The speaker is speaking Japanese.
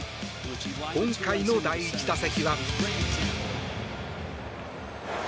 今回の第１打席は。